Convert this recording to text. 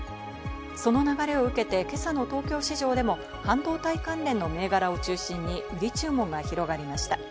その流れを受けて今朝の東京市場でも半導体関連の銘柄を中心に売り注文が広がりました。